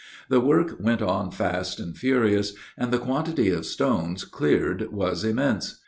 The work went on fast and furious, and the quantity of stones cleared was immense.